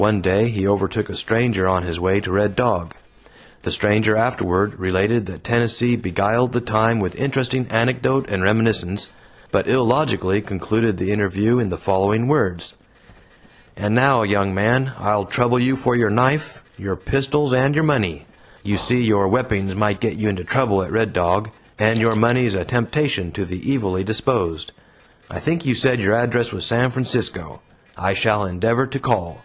One day he overtook a stranger on his way to Red Dog. The stranger afterward related that Tennessee beguiled the time with interesting anecdote and reminiscence, but illogically concluded the interview in the following words: "And now, young man, I'll trouble you for your knife, your pistols, and your money. You see your weppings might get you into trouble at Red Dog, and your money's a temptation to the evilly disposed. I think you said your address was San Francisco. I shall endeavor to call."